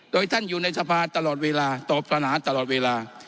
โดยท่านอยู่ในสภาตลอดเวลาตอบสนาตลอดเวลา